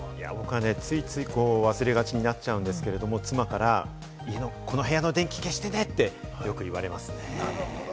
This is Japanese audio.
ついつい忘れがちになっちゃうんですけれども、妻からこの部屋の電気消してねってよく言われますね。